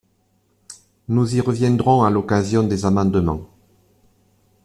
Nous y reviendrons à l’occasion des amendements.